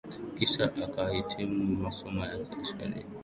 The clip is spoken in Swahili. kisha akahitimu masomo yake ya sheria